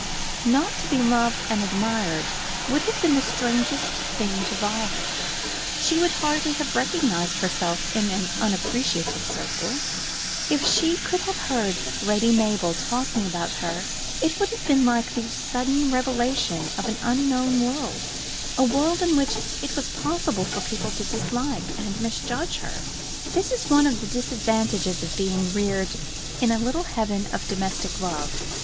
Not to be loved and admired would have been the strangest thing to Violet. She would hardly have recognised herself in an unappreciative circle. If she could have heard Lady Mabel talking about her, it would have been like the sudden revelation of an unknown world a world in which it was possible for people to dislike and misjudge her. This is one of the disadvantages of being reared in a little heaven of domestic love.